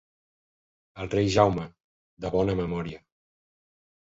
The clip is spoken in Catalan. El rei en Jaume, de bona memòria.